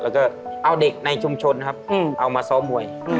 แล้วก็เอาเด็กในชุมชนนะครับเอามาซ้อมมวย